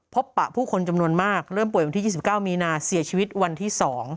ปะผู้คนจำนวนมากเริ่มป่วยวันที่๒๙มีนาเสียชีวิตวันที่๒